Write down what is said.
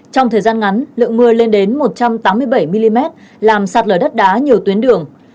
trong thời gian ngắn lượng mưa lên đến một trăm tám mươi bảy mm làm sạt lở đất đá nhiều tuyến đường